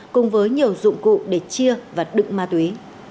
cùng với nhiều dụng cụ để chia và đựng ma túy